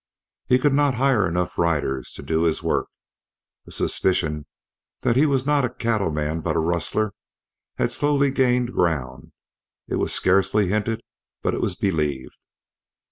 He could not hire enough riders to do his work. A suspicion that he was not a cattle man but a rustler had slowly gained ground; it was scarcely hinted, but it was believed.